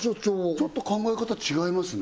ちょっと考え方違いますね